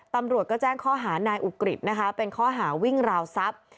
ตำรวจก็แจ้งข้อหานายอุกฤษนะคะเป็นข้อหาวิ่งราวทรัพย์